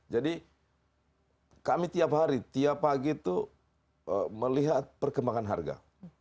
kami tiap hari tiap pagi itu melihat perkembangan harga